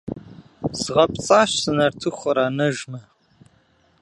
Згъэпцӏащ, зы нартыху къранэжмэ!